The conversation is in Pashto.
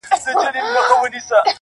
كډي كوم وطن ته وړي دا كور خرابي!.